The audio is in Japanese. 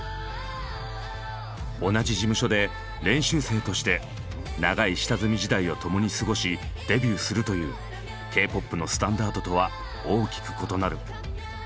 同じ事務所で練習生として長い下積み時代をともに過ごしデビューするというＫ−ＰＯＰのスタンダードとは大きく異なる。